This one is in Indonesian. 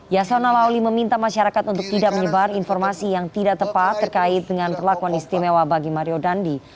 yasona lawli meminta masyarakat untuk tidak menyebar informasi yang tidak tepat terkait dengan perlakuan istimewa bagi mario dandi